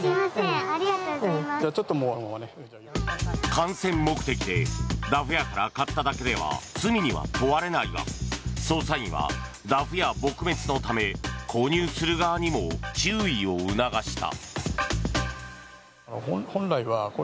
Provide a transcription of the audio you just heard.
観戦目的でダフ屋から買っただけでは罪には問われないが捜査員はダフ屋撲滅のため購入する側にも注意を促した。